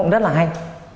rất là hay